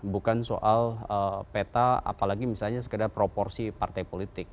bukan soal peta apalagi misalnya sekedar proporsi partai politik